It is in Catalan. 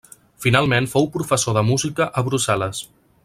Finalment fou professor de música a Brussel·les.